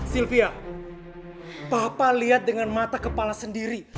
silvia papa lihat dengan mata kepala sendiri